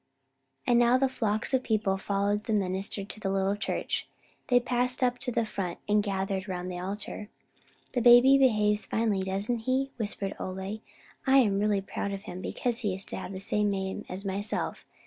And now the flock of people followed the minister into the little church. They passed up to the front and gathered around the altar. "The baby behaves finely, doesn't he?" whispered Ole. "I am real proud of him because he is to have the same name as myself.